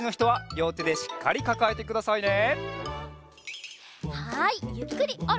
はい。